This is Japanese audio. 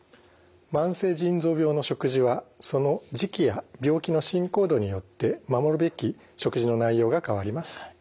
慢性腎臓病の食事はその時期や病気の進行度によって守るべき食事の内容が変わります。